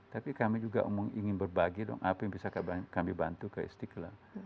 tapi kami juga ingin berbagi dong apa yang bisa kami bantu ke istiqlal